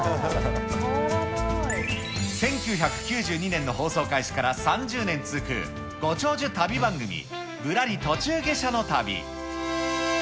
１９９２年の放送開始から３０年続くご長寿旅番組、ぶらり途中下車の旅。